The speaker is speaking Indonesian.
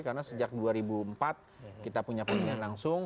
karena sejak dua ribu empat kita punya pemilihan langsung